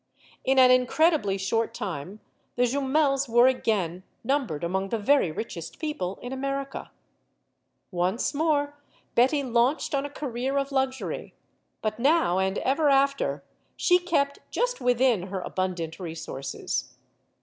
In MADAME JUMEL 99 an incredibly short time the Jumels were again num bered among the very richest people in America. Once more Betty launched on a career of luxury; but now and ever after she kept just within her abundant re sources.